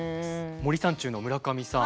森三中の村上さん。